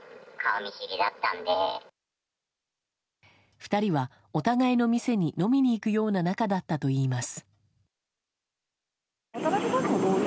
２人は、お互いの店に飲みに行くような仲だったといいます。